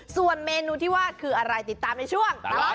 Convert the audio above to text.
ส่วนเมนูที่ว่าคืออะไรติดตามในช่วงตลอด